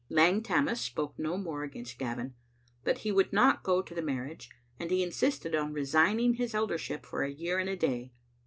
Lang Tammas spoke no more against Gavin, but he would not go to the mar riage, and he insisted on resigning his eldership for a year and a day.